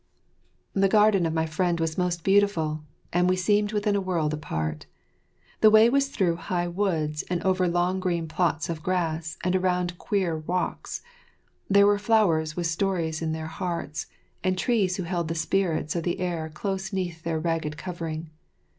The garden of my friend was most beautiful, and we seemed within a world apart. The way was through high woods and over long green plots of grass and around queer rocks; there were flowers with stories in their hearts, and trees who held the spirits of the air close 'neath their ragged covering.